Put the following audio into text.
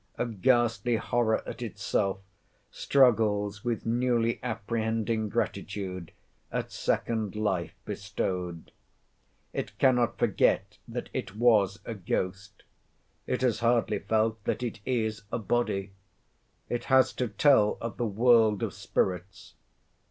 A ghastly horror at itself struggles with newly apprehending gratitude at second life bestowed. It cannot forget that it was a ghost. It has hardly felt that it is a body. It has to tell of the world of spirits.